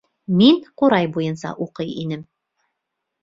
— Мин ҡурай буйынса уҡый инем.